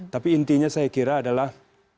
tapi intinya saya kira adalah